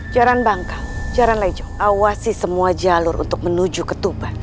jalan bangka jalan lejong awasi semua jalur untuk menuju ketuban